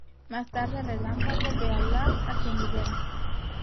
Más tarde Relámpago ve a Lars, a quien libera.